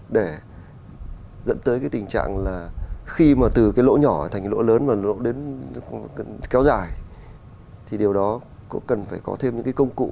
để dẫn tới cái tình trạng là khi mà từ cái lỗ nhỏ thành cái lỗ lớn và lỗ đến kéo dài thì điều đó cũng cần phải có thêm những cái công cụ